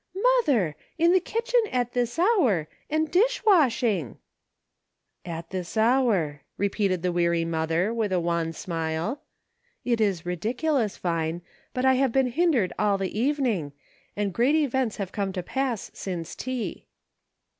" Mother ! in the kitchen at this hour, and dish washing !" "At this hour!" repeated the weary mother, with a wan smile. " It is ridiculous. Vine, but I have been hindered all the evening, and great events have come to pass since tea."